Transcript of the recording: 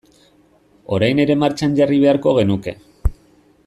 Orain ere martxan jarri beharko genuke.